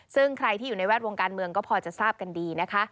ซึ่งใครที่อยู่ในแวดวงการเมืองก็พอจะทราบกันดีนะคะ